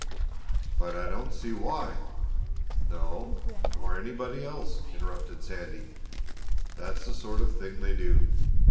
"But I don't see why " "No, nor anybody else," interrupted Sandy. "That's the sort of thing they do.